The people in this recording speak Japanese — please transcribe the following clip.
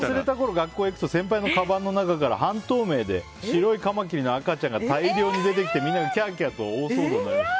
学校に行くと先輩のかばんの中から半透明で白いカマキリの赤ちゃんが大量に出てきてみんながキャーキャーと大騒動になりました。